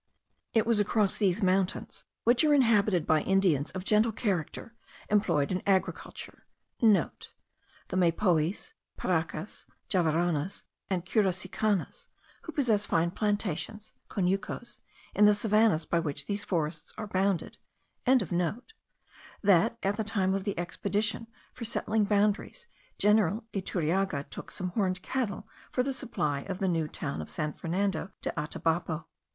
It was across these mountains, which are inhabited by Indians of gentle character, employed in agriculture,* (* The Mapoyes, Parecas, Javaranas, and Curacicanas, who possess fine plantations (conucos) in the savannahs by which these forests are bounded.) that, at the time of the expedition for settling boundaries, General Iturriaga took some horned cattle for the supply of the new town of San Fernando de Atabapo.